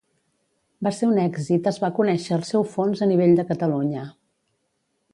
Va ser un èxit es va conèixer el seu fons a nivell de Catalunya